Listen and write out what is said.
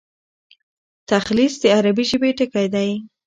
تلخیص د عربي ژبي ټکی دﺉ.